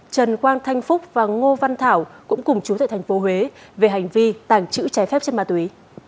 trần quang thanh phúc và ngô văn thảo cũng cùng chú tại tp huế về hành vi tàng trữ trái phép chất ma túy